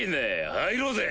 入ろうぜ。